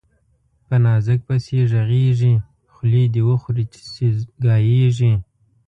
په نازک پسي ږغېږي، خولې ده وخوري سي ګايږي